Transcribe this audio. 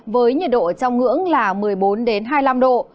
với nhiệt độ trong ngưỡng là một mươi bốn hai mươi năm độ